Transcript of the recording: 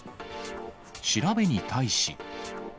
調べに対し。